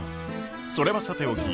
それはさておき。